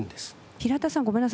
平田さんごめんなさい。